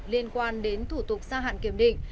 liên quan đến thủ tục gia hạn kiểm định